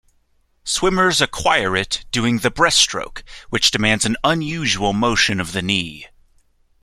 Swimmers acquire it doing the breaststroke, which demands an unusual motion of the knee.